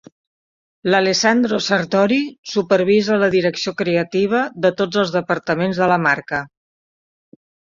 L'Alessandro Sartori supervisa la direcció creativa de tots els departaments de la marca.